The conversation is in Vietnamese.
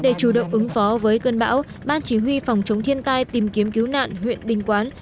để chủ động ứng phó với cơn bão ban chỉ huy phòng chống thiên tai tìm kiếm cứu nạn huyện đình quán